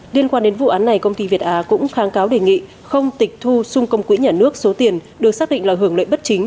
liên quan đến vụ án này công ty việt á cũng kháng cáo đề nghị không tịch thu xung công quỹ nhà nước số tiền được xác định là hưởng lợi bất chính